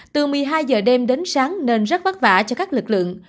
từ một mươi hai giờ đêm đến sáng nên rất vất vả cho các lực lượng